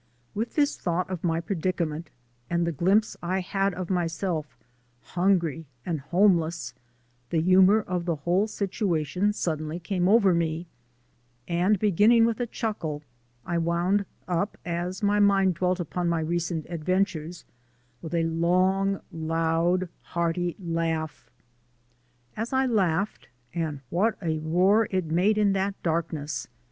With this thought of my predicament and the glimpse I had of myself "hungry and homeless" the humour of the whole situation suddenly came over me, and, beginning with a chuckle, I wound up, as my mind dwelt upon my recent adventures, with a long, loud, hearty laugh. As I laughed and what a roar it made in that darkness!